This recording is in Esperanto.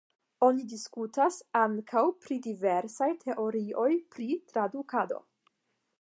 Oni diskutas ankaŭ pri diversaj teorioj pri tradukado.